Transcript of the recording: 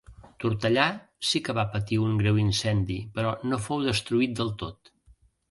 Tortellà sí que va patir un greu incendi però no fou destruït del tot.